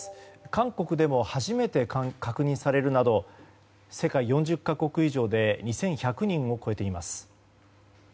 韓国でも初めて確認されるなど世界４０か国以上で２１００人を超えています。